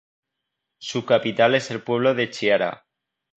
Su capital es el pueblo de Chiara.